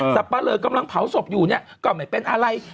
สับปะเรอกำลังเผาศพอยู่นี่ก่อนใหม่เป็นอะไร